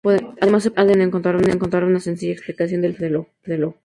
Además se puede encontrar una sencilla explicación del funcionamiento del ojo.